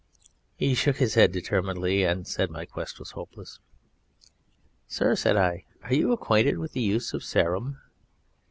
He shook his head determinedly and said my quest was hopeless. "Sir," said I, "are you acquainted with the Use of Sarum?"